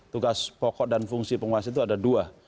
tugas pokok dan fungsi penguasa itu ada dua